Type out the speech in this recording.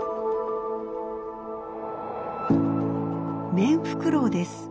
メンフクロウです。